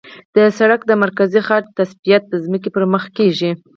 د سړک د مرکزي خط تثبیت د ځمکې پر مخ کیږي